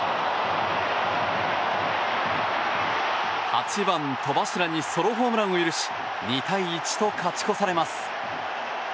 ８番、戸柱にソロホームランを許し２対１と勝ち越されます。